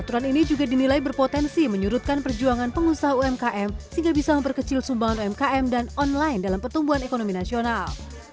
aturan ini juga dinilai berpotensi menyurutkan perjuangan pengusaha umkm sehingga bisa memperkecil sumbangan umkm dan online dalam pertumbuhan ekonomi nasional